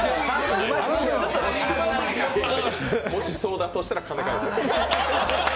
もし、そうだとしたら金返せ。